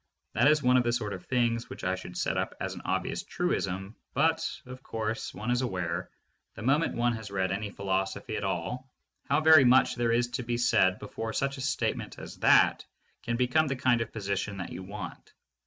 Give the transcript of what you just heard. That is one of the sort of things which I should set up as an obvious truism, but, of course, one is aware, the moment one has read any philos ophy at all, how very much there is to be said before such a statement as that can become the kind of position that you want.